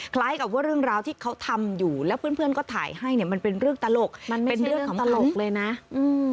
คล้ายกับว่าเรื่องราวที่เขาทำอยู่แล้วเพื่อนเพื่อนก็ถ่ายให้เนี่ยมันเป็นเรื่องตลกมันเป็นเรื่องของตลกเลยนะอืม